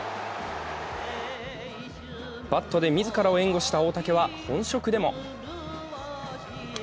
バットで自らを援護した大竹は本職でも。